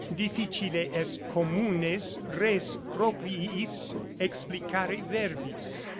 Difficile est communes res propriis explicare verbis.